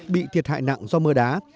bị thiệt hại nặng do mưa đá